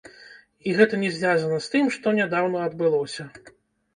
І гэта не звязана з тым, што нядаўна адбылося.